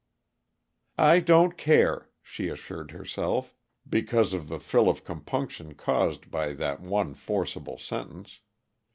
"I don't care," she assured herself, because of the thrill of compunction caused by that one forcible sentence.